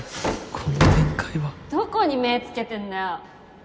この展開はどこに目つけてんだよ！